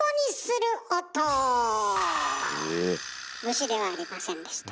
虫ではありませんでした。